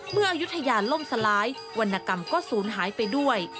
อายุทยาล่มสลายวรรณกรรมก็ศูนย์หายไปด้วย